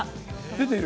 出ている？